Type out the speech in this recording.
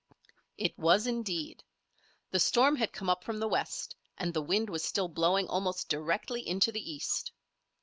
It was indeed. The storm had come up from the west and the wind was still blowing almost directly into the east.